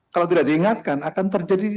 kalau tidak diingatkan akan terjadi